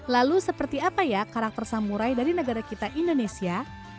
lalu seperti apa ya karakter samurai dari negara kita indonesia